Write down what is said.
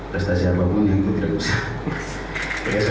prestasi apapun diikut tidak usah